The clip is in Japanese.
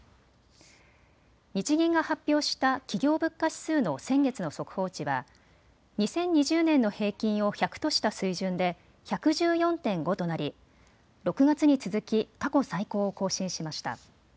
日銀が発表した企業物価指数の先月の速報値は２０２０年の平均を１００とした水準で１１４．５となり６月に続き過去最高を更新しました。